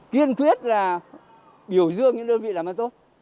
kiên quyết là biểu dương những đơn vị làm ăn tốt